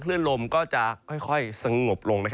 เครื่องลมก็จะแค่ค่อยสงบลง